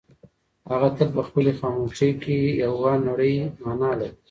هغه تل په خپلې خاموشۍ کې یوه نړۍ مانا لري.